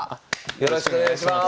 よろしくお願いします。